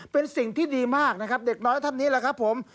เป็นสิ่งที่ดีมากนะครับเด็กน้อยท่านนี้แหละครับผม